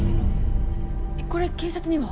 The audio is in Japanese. これ警察には？